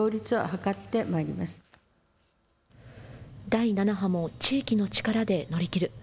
第７波も地域の力で乗り切る。